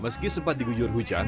meski sempat digujur hujan